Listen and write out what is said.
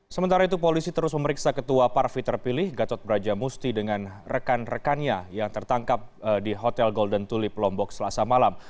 sementara itu polisi terus memeriksa ketua parvi terpilih gatot brajamusti dengan rekan rekannya yang tertangkap di hotel golden tulip lombok selasa malam